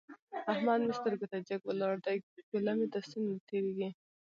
احمد مې سترګو ته جګ ولاړ دی؛ ګوله مې تر ستوني نه تېرېږي.